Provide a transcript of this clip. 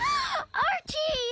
アーチー！